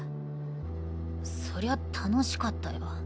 そりゃ楽しかったよ。